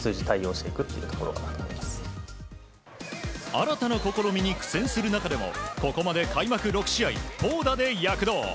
新たな試みに苦戦する中でもここまで開幕６試合投打で躍動。